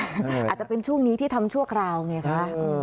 อาจจะเป็นช่วงนี้ที่ทำชั่วคราวไงคะ